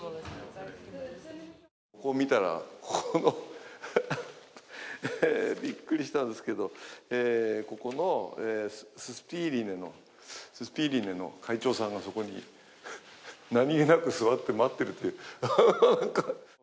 こう見たらびっくりしたんですけど、ここのススピーリネの会長さんがそこになにげなく座って待っているという。